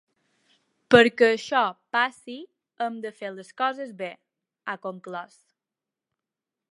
Perquè això passi hem de fer les coses bé, ha conclòs.